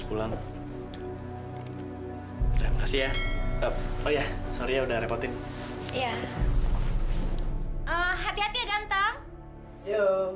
pulang kasih ya oh ya sorry udah repotin ya hati hati ganteng yo yo